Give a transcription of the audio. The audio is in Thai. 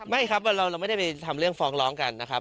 ไม่ครับเราไม่ได้ไปทำเรื่องฟ้องร้องกันนะครับ